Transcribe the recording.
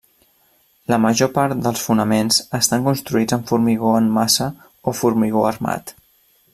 La major part dels fonaments estan construïts amb formigó en massa o formigó armat.